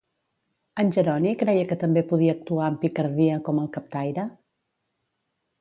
En Jeroni creia que també podia actuar amb picardia com el captaire?